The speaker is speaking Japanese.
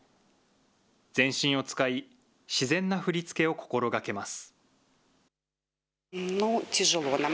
全身を使い、自然な振り付けを心がけます。